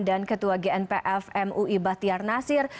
dan ketua gnpf mui bahtiar nasir